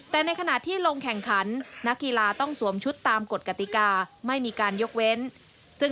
แต่ในขณะที่ลงแข่งขันนักกีฬาต้องสวมชุดตามกฎกติกาไม่มีการยกเว้นซึ่ง